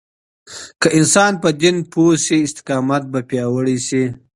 که انسان په دين پوه شي، استقامت به پیاوړی شي.